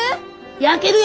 焼けるよ！